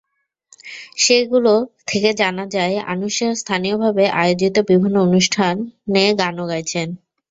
সেগুলো থেকে জানা যায়, আনুশেহ্ স্থানীয়ভাবে আয়োজিত বিভিন্ন অনুষ্ঠানে গানও গাইছেন।